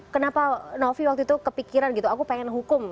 kenapa novi waktu itu kepikiran gitu aku pengen hukum